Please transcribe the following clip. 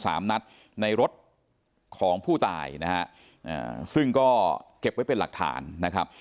สามนัดในรถของผู้ตายนะฮะอ่าซึ่งก็เก็บไว้เป็นหลักฐานนะครับ